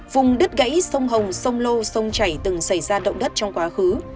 vùng đứt gáy sông hồng sông lô sông chảy từng xảy ra động đất trong quá khứ